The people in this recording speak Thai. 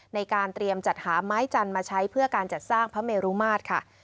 ในการเตรียมจัดหาไม้จันทร์มาใช้เพื่อการจัดสร้างพระเมรุมาตรค่ะ